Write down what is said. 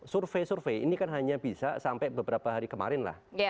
survei survei ini kan hanya bisa sampai beberapa hari kemarin lah